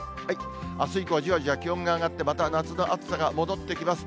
あす以降、じわじわ気温が上がって、また夏の暑さが戻ってきます。